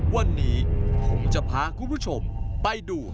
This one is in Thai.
วันนี้ผมจะพาคุณผู้ชมไปดู